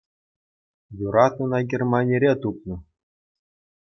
Юрать, ӑна Германире тупнӑ.